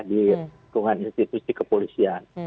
di lingkungan institusi kepolisian